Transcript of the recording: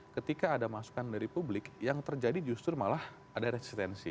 ketika ada masukan dari publik yang terjadi justru malah ada resistensi